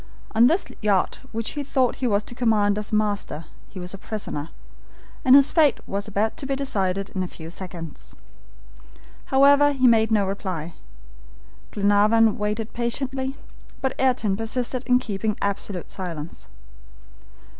On this yacht which he thought he was to command as master, he was a prisoner, and his fate was about to be decided in a few seconds. However, he made no reply. Glenarvan waited patiently. But Ayrton persisted in keeping absolute silence.